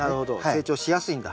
成長しやすいんだ。